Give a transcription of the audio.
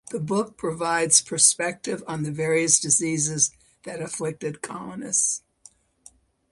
The book provides prospective on the various diseases that afflicted colonists.